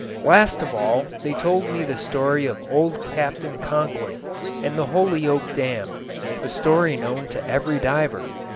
Last of all they told the story of old Captain Conkling and the Holyoke Dam, a story known to every diver.